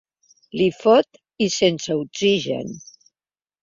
Li fot, i sense oxigen!